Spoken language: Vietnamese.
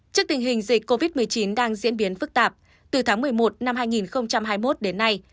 trước tình hình dịch covid một mươi chín đang diễn biến phức tạp từ tháng một mươi một năm hai nghìn hai mươi một đến nay